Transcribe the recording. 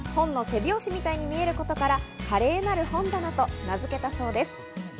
表紙みたいに見えることからカレーなる本棚と名付けたそうです。